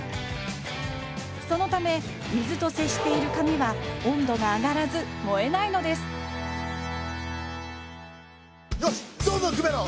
そのため水と接している紙は温度が上がらず燃えないのですよしどんどんくべろ！